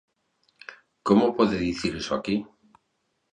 ¿Como pode dicir iso aquí?